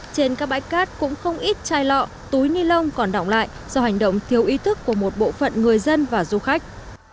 trên các bãi cát cũng không ít chai lọ túi ni lông còn đọng lại do hành động thiếu ý thức của một bộ phận người dân và du khách